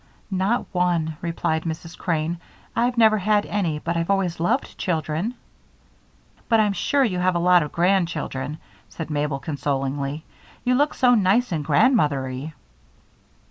"Not one," replied Mrs. Crane. "I've never had any but I've always loved children." "But I'm sure you have a lot of grandchildren," said Mabel, consolingly. "You look so nice and grandmothery."